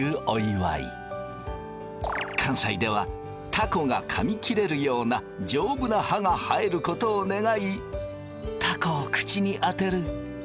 関西ではたこがかみ切れるようなじょうぶな歯が生えることを願いたこを口に当てる。